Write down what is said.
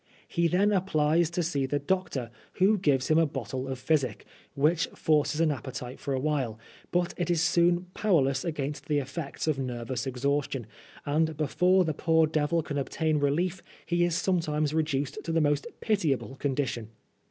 He then applies to see the doctor, who gives him a bottle of physic, which forces an appetite for a while. But it is soon powerless against the effects of nervous exhaustion, and before the poor devil can obtain relief, he is sometimes reduced to the most pitiable condition.